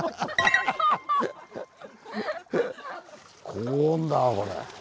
高温だわこれ。